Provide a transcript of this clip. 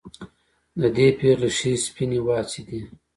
د دې پېغلې ښې سپينې واڅې دي